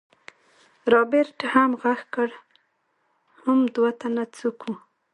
رابرټ هم غږ کړ حم دوه تنه څوک وو.